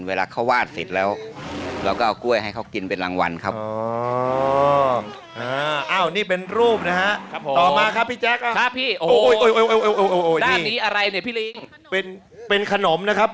เวลาเขาวาดเสร็จแล้วเราก็เอากล้วยให้เขากินเป็นรางวัลครับ